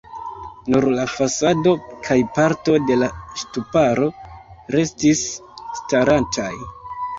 Nur la fasado kaj parto de la ŝtuparo restis starantaj.